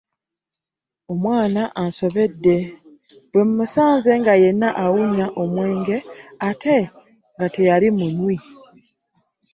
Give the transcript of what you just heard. Omwana ansobedde bwe mmusanze nga yenna awunya omwenge ate nga teyali munywi.